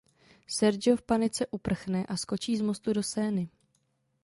Sergio v panice uprchne a skočí z mostu do Seiny.